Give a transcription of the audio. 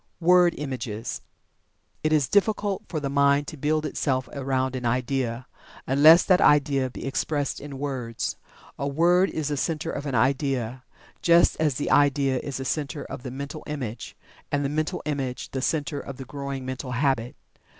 WORD IMAGES. It is difficult for the mind to build itself around an idea, unless that idea be expressed in words. A word is the center of an idea, just as the idea is the center of the mental image, and the mental image the center of the growing mental habit.